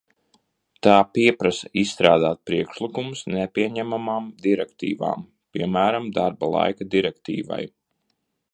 Tā pieprasa izstrādāt priekšlikumus nepieņemamām direktīvām, piemēram, darba laika direktīvai.